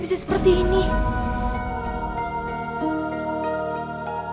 bunda jangan tinggalkan laras